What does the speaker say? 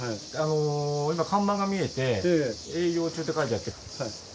今看板が見えて「営業中」って書いてあって。